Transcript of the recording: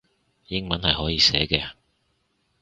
英文係可以寫嘅